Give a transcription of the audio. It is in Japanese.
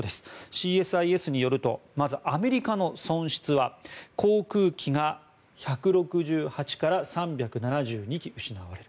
ＣＳＩＳによるとまずアメリカの損失は航空機が１６８から３７２機失われる。